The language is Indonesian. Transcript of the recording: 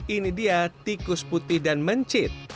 ini dia tikus putih dan mencit